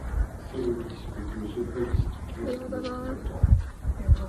C'est le disque de The Police qui dure le plus longtemps.